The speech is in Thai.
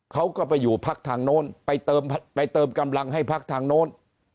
เขาก็ไปอยู่พรรคทางโน้นไปเติมไปเติมกำลังให้พรรคทางโน้น